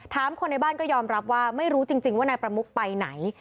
คนในบ้านก็ยอมรับว่าไม่รู้จริงว่านายประมุกไปไหน